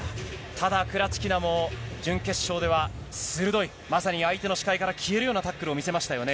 ただ、クラチキナも準決勝では鋭い、まさに相手の視界から消えるようなタックルを見せましたよね。